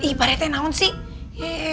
ibaratnya naun sih